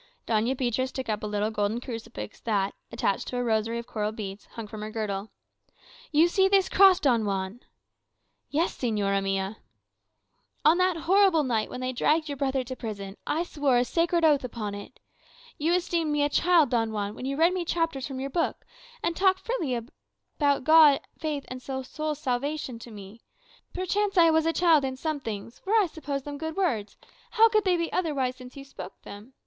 Doña Beatriz took up a little golden crucifiz that, attached to a rosary of coral beads, hung from her girdle. "You see this cross, Don Juan?" "Yes, señora mia." "On that horrible night when they dragged your brother to prison, I swore a sacred oath upon it. You esteemed me a child, Don Juan, when you read me chapters from your book, and talked freely to me about God, and faith, and the soul's salvation. Perchance I was a child in some things. For I supposed them good words; how could they be otherwise, since you spoke them?